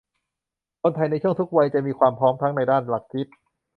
คนไทยในทุกช่วงวัยจะมีความพร้อมทั้งในด้านหลักคิด